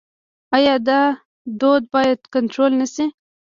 آیا دا دود باید کنټرول نشي؟